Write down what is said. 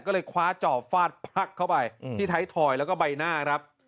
ก็เลยคว้าจอบฟาดพลักเข้าไปที่ไทยทอยแล้วก็ใบหน้าครับ